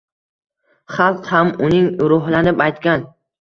Xalq ham uning ruhlanib aytgan.